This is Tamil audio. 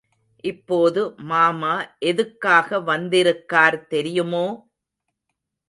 இப்போது மாமா எதுக்காக வந்திருக்கார் தெரியுமோ!